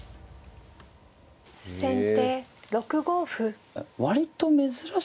先手６五歩。